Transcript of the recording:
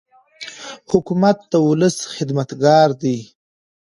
حکومت د ولس خدمتګار دی.